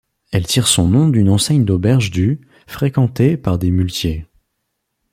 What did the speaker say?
Elle tire son nom d'une enseigne d'auberge du fréquentée par des muletiers.